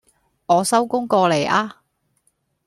我收工過嚟呀